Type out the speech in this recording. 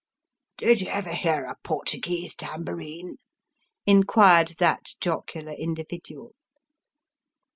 " Did you ever hear a Portuguese tambourine ?" inquired that jocular individual.